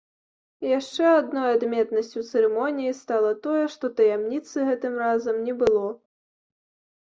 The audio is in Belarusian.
Яшчэ адной адметнасцю цырымоніі стала тое, што таямніцы гэтым разам не было.